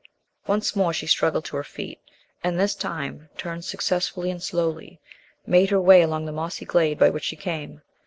Once more she struggled to her feet, and this time turned successfully and slowly made her way along the mossy glade by which she came.